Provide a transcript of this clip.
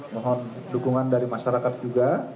mohon dukungan dari masyarakat juga